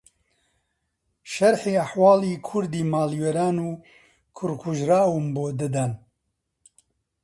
شەرحی ئەحواڵی کوردی ماڵ وێران و کوڕ کوژراوم بۆ دەدان